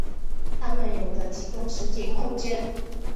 它们有的提供实体空间。